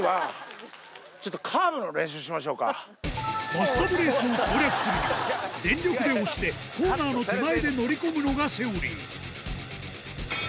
バスタブレースを攻略するには全力で押してコーナーの手前で乗り込むのがセオリー